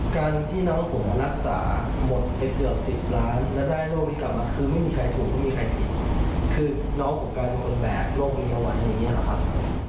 คือน้องก็กลายเป็นคนแม่โรงพยาบาลอย่างนี้หรือครับ